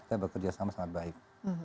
kita bekerja sama sangat baik